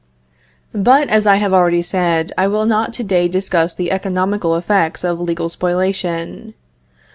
But, as I have already said, I will not to day discuss the economical effects of legal spoliation.